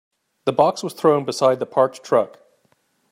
The box was thrown beside the parked truck.